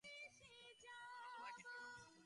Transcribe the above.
কোন নর্দমার কীট ভেবো না।